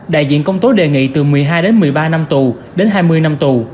đại diện công tố đề nghị từ một mươi hai đến một mươi ba năm tù đến hai mươi năm tù